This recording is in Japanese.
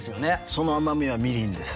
その甘みはみりんです。